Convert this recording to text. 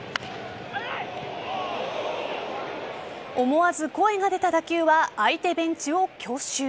思わず声が出た打球は相手ベンチを強襲。